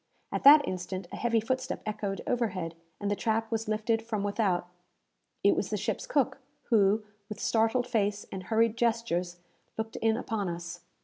At that instant, a heavy footstep echoed overhead, and the trap was lifted from without. It was the ship's cook, who, with startled face and hurried gestures, looked in upon us.